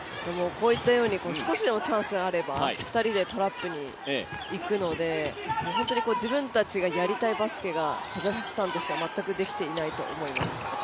こういったように少しでもチャンスがあれば２人でトラップにいくので本当に自分たちのやりたいバスケがカザフスタンとしては全くできていないと思います。